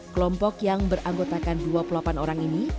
kelompok yang beranggotakan dua puluh delapan orang ini